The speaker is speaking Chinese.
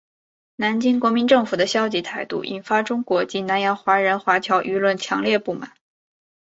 南京国民政府的消极态度引发中国及南洋华人华侨舆论强烈不满。